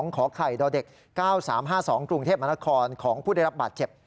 ขอไข่ดเด็ก๙๓๕๒กรุงเทพมนาคมของผู้ได้รับบาดเจ็บ